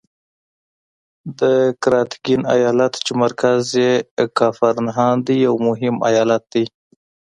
د قراتګین ایالت چې مرکز یې کافر نهان دی یو مهم ایالت دی.